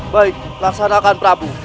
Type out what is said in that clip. baik laksanakan prabu